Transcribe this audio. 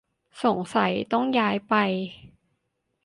สงสัยต้องย้ายไป